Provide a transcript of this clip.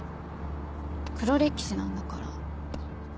黒歴史なんだから。